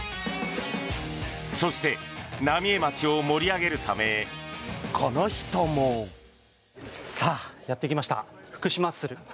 そして、浪江町を盛り上げるためこの人も。さあ、やってきました福島ッスル。